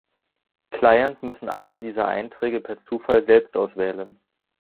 Clients müssen einen dieser Einträge per Zufall selbst auswählen.